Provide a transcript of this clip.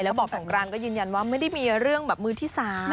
แล้วบอกสงกรานก็ยืนยันว่าไม่ได้มีเรื่องแบบมือที่๓